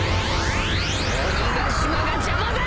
鬼ヶ島が邪魔だ！